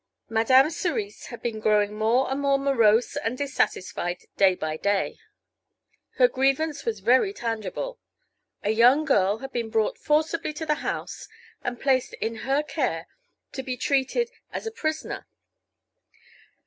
Madame Cerise had been growing more and more morose and dissatisfied day by day. Her grievance was very tangible. A young girl had been brought forcibly to the house and placed in her care to be treated as a prisoner.